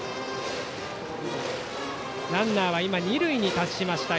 ランナーは二塁に達しました。